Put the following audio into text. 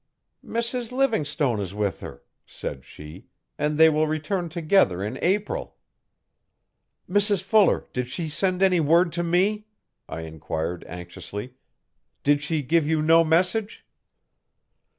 'Mrs Livingstone is with her,' said she, 'and they will return together in April. 'Mrs Fuller, did she send any word to me?' I enquired anxiously. 'Did she give you no message?